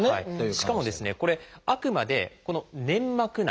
しかもこれあくまでこの「粘膜内」。